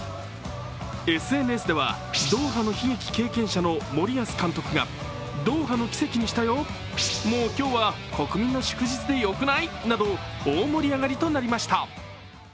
ＳＮＳではドーハの悲劇経験者の森保監督が、ドーハの奇跡にしたよ、もう今日は国民の祝日でよくない？など大盛り上がりとなりました。